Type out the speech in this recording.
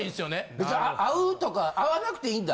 別に会うとか会わなくていいんだ。